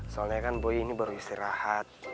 soalnya kan buy ini baru istirahat